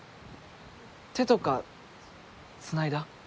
手とかつないだ？